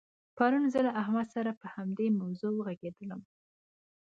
پرون زه له احمد سره په همدې موضوع وغږېدلم.